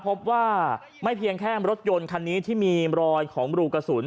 พบว่าไม่เพียงแค่รถยนต์คันนี้ที่มีรอยของรูกระสุน